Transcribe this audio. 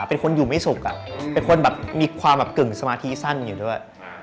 เป็นคนอยู่ไม่สุขอะเป็นคนแบบมีความแบบกึ่งสมาธิสั้นอยู่ด้วย